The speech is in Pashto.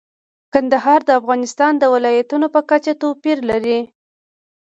کندهار د افغانستان د ولایاتو په کچه توپیر لري.